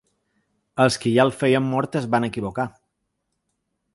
Els qui ja el feien mort es van equivocar.